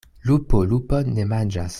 Lupo lupon ne manĝas.